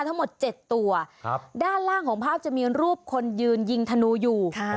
ทั้งหมด๗ตัวด้านล่างของภาพจะมีรูปคนยืนยิงธนูอยู่